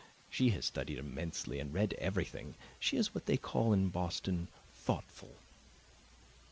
She has studied immensely and read everything; she is what they call in Boston 'thoughtful.